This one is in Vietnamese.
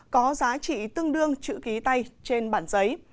có giá trị tương đương chữ ký tay trên bản giấy